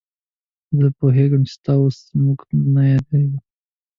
زه پوهېږم چې ستا اوس موږ نه یادېږو.